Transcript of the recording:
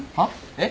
えっ？